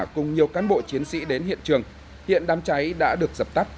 cùng nhiều cán bộ chiến sĩ đến hiện trường hiện đám cháy đã được dập tắt